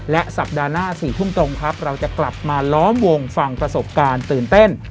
และสัปดาห์หน้า๔ทุ่มตรงครับเราจะกลับมาล้อมวงฟังประสบการณ์ตื่นเต้น